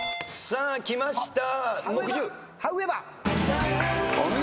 さあきました。